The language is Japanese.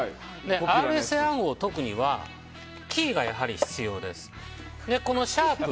ＲＳＡ暗号を解くにはキーがやはり必要です。